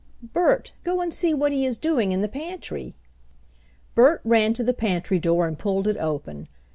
"Bert, go and see what he is doing in the pantry." Bert ran to the pantry door and pulled it open.